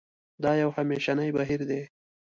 دا یو همېشنی بهیر دی.